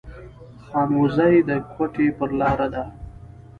خانوزۍ د کوټي پر لار ده